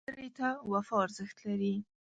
ملګری ته وفا ارزښت لري